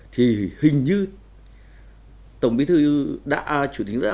thì hình như tổng bí thư chủ tịch nước